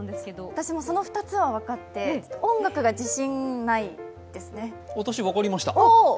私もその２つが分かって、音楽が自信がないですね。